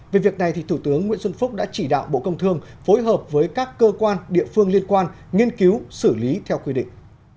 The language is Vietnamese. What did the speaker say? về việc này thủ tướng nguyễn xuân phúc đã chỉ đạo bộ công thương phối hợp với các cơ quan địa phương liên quan nghiên cứu xử lý theo quy định